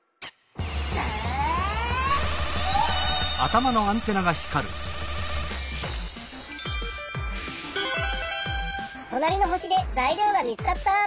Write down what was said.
となりの星で材料が見つかった！